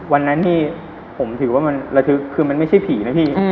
วันนั้นนี่ผมถือว่ามันคือไม่ใช่ผีนะพี่